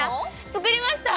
作りました！